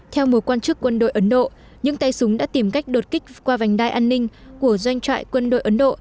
theo một quan chức quân đội ấn độ những tay súng đã tìm cách đột kích qua vành đai an ninh của doanh trại quân đội ấn độ